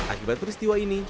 akibat peristiwa ini